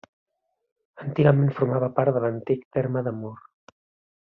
Antigament formava part de l'antic terme de Mur.